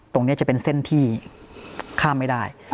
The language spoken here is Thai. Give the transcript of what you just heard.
ตรงนี้จะเป็นเส้นที่ข้ามไม่ได้